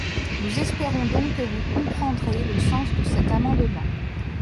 Nous espérons donc que vous comprendrez le sens de cet amendement.